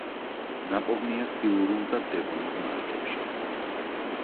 ნაპოვნია სილურულ და დევონურ ნალექებში.